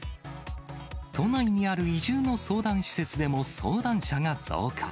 都内にある移住の相談施設でも相談者が増加。